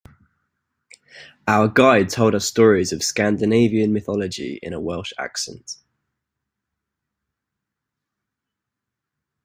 Our guide told us stories of Scandinavian mythology in a Welsh accent.